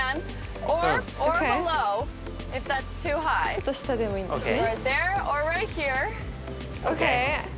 ちょっと下でもいいんですね。